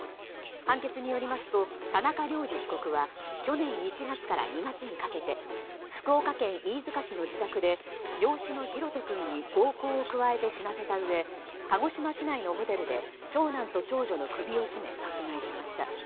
判決によりますと田中涼二被告は去年１月から２月にかけて福岡県飯塚市の自宅で養子の大翔君に暴行を加えて死なせたうえ鹿児島市内のホテルで長男と長女の首を絞め殺害しました。